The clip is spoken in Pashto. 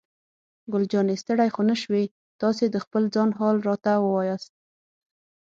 ګل جانې: ستړی خو نه شوې؟ تاسې د خپل ځان حال راته ووایاست.